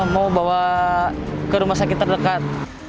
mau bawa ke rumah sakit terdekat